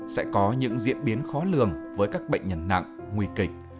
sẽ có những diễn biến khó lường với các bệnh nhân nặng nguy kịch